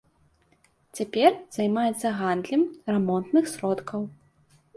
Цяпер займаецца гандлем рамонтных сродкаў.